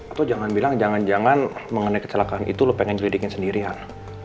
atau jangan bilang jangan jangan mengenai kecelakaan itu lo pengen jelidikin sendirian